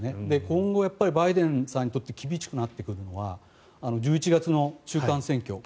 今後バイデンさんにとって厳しくなってくるのは１１月の中間選挙